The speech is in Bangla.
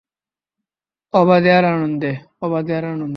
অবাধে আর আনন্দে, অবাধে আর আনন্দে।